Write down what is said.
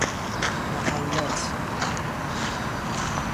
محلات